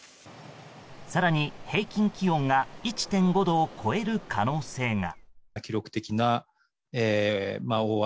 更に、平均気温が１．５度を超える可能性が。